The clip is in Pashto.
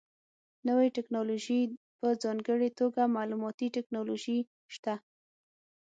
نوې ټکنالوژي په ځانګړې توګه معلوماتي ټکنالوژي شته.